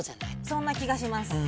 そんな気がします。